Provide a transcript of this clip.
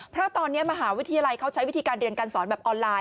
เพราะตอนนี้มหาวิทยาลัยเขาใช้วิธีการเรียนการสอนแบบออนไลน